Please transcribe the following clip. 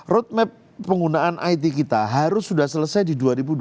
roadmap penggunaan it kita harus sudah selesai di dua ribu dua puluh